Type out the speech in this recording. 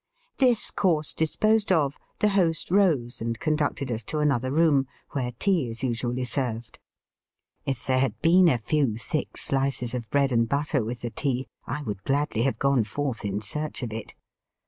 This course disposed of, the host rose and conducted us to another room, where tea is usually served. If there had been a few thick shoes of bread and butter with the tea I would gladly have gone forth in search of it.